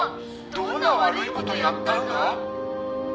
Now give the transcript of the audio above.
どんな悪い事やったんだ？」